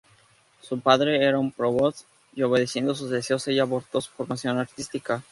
Su padre era un provost, y obedeciendo sus deseos, ella abortó su formación artística.